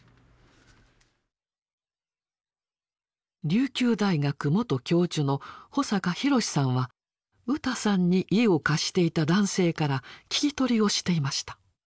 琉球大学元教授の保坂廣志さんはウタさんに家を貸していた男性から聞き取りをしていました。